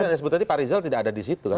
tapi sebetulnya pak rizal tidak ada di situ kan